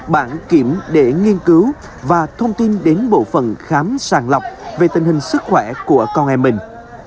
bản kiểm để nghiên cứu và thông tin đến bộ phận khám sàng lọc về tình hình sức khỏe của con em mình